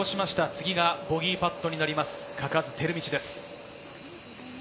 次がボギーパットになります、嘉数光倫です。